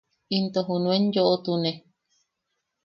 Into junuen yoʼotune.